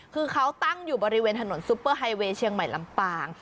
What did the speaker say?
คือเขาตั้งอยู่บริเวณถนนซุปเปอร์ไฮเวย์เชียงใหม่ลำปาง